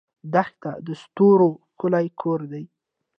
دښته د ستورو ښکلی کور دی.